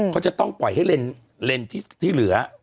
เขาจะต้องปล่อยให้เลนส์ที่เหลือ